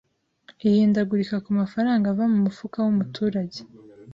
ihindagurika ku mafaranga ava mu mufuka w’umuturage